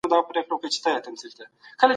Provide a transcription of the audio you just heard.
د دلارام بازار ته چي ولاړ سئ نو ستړیا به مو ووځي.